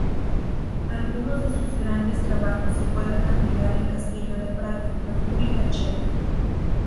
Algunos de sus grandes trabajos se pueden admirar en Castillo de Praga, República Checa.